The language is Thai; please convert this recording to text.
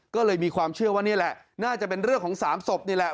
ก็เลยมีความเชื่อว่านี่แหละน่าจะเป็นเรื่องของ๓ศพนี่แหละ